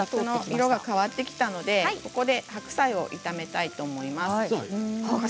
色が変わってきたので白菜を炒めたいと思います。